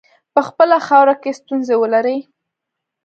په خپله خاوره کې ستونزي ولري.